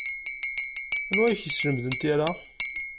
Anwa ay ak-yeslemden tira?